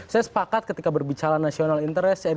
saya sepakat ketika berbicara national interest